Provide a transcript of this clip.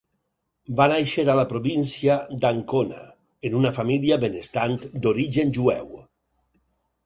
Va nàixer a la província d'Ancona, en una família benestant d'origen jueu.